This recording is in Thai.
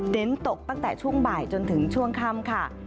เน้นตกตั้งแต่ช่วงบ่ายจนถึงช่วงค่ำค่ะ